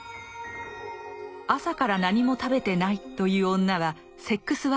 朝から何も食べてないという女はセックスワーカーでした。